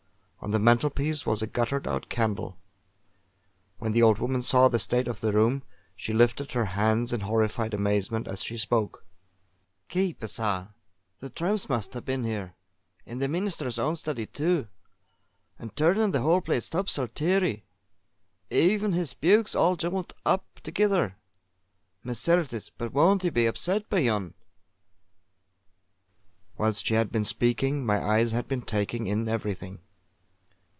On the mantlepiece was a guttered out candle. When the old woman saw the state of the room, she lifted her hands in horrified amazement as she spoke: "Keep's 'a! The tramps must ha' been here. In the Meenester's own study, too! An' turnin' the whole place topsal teerie. Even his bukes all jumm'lt up thegither. Ma certes! but won't he be upset by yon!" Whilst she had been speaking, my eyes had been taking in everything.